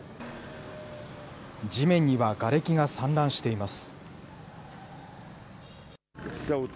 地面にはがれきが散乱しています。